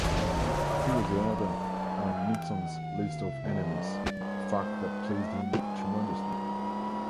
He was eleventh on Nixon's list of enemies, a fact that pleased him tremendously.